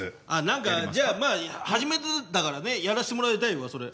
何かじゃあまあ初めてだからねやらしてもらいたいわそれ。